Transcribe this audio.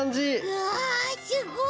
うわすごい！